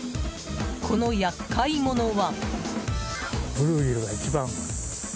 この厄介者は。